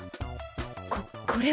ここれは。